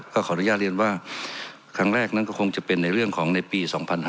ขออนุญาตเรียนว่าครั้งแรกนั้นก็คงจะเป็นในเรื่องของในปี๒๕๕๙